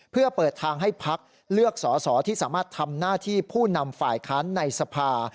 เพื่อเปิดทางให้พักเลือกสอสอที่สามารถทำหน้าที่ผู้นำฝ่ายค้านในสภา